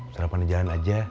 sarapan di jalan aja